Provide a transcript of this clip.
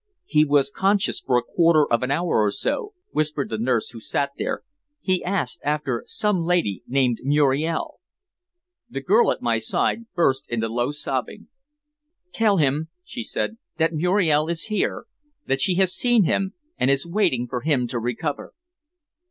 "He was conscious for a quarter of an hour or so," whispered the nurse who sat there, "He asked after some lady named Muriel." The girl at my side burst into low sobbing. "Tell him," she said, "that Muriel is here that she has seen him, and is waiting for him to recover."